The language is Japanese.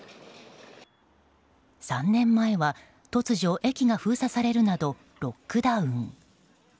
３年前は突如、駅が封鎖されるなどロックダウン。